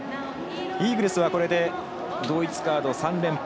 イーグルスはこれで同一カード３連敗。